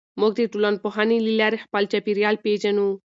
موږ د ټولنپوهنې له لارې خپل چاپېریال پېژنو.